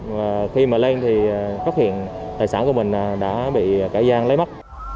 và khi mà lên thì phát hiện tài sản của mình đã bị kẻ gian lấy mất